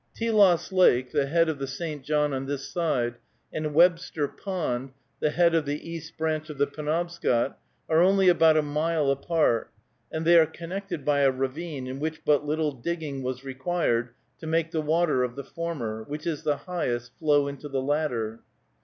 Telos Lake, the head of the St. John on this side, and Webster Pond, the head of the East Branch of the Penobscot, are only about a mile apart, and they are connected by a ravine, in which but little digging was required to make the water of the former, which is the highest, flow into the latter.